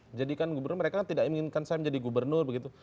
menjadikan gubernur mereka tidak menginginkan saya menjadi gubernur begitu